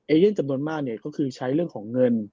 เย่นจำนวนมากเนี่ยก็คือใช้เรื่องของเงิน